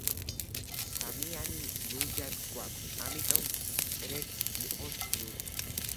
სამიანი ლურჯად გვაქვს, ამიტომ წრეც იყოს ლურჯი.